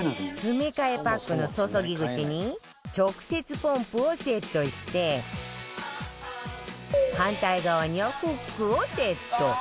詰め替えパックの注ぎ口に直接ポンプをセットして反対側にはフックをセット